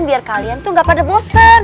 biar kalian tuh gak pada bosan